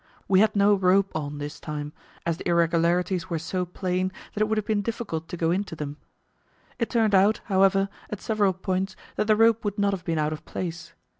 We had no rope on this time, as the irregularities were so plain that it would have been difficult to go into them. It turned out, however, at several points, that the rope would not have been out of place.